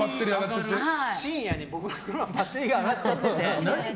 深夜に僕、車のバッテリーが上がっちゃってて。